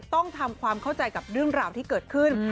ต้องทำความเข้าใจกับเรื่องราวที่เกิดขึ้น